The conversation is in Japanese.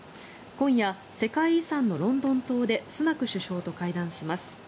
今夜、世界遺産のロンドン塔でスナク首相と会談します。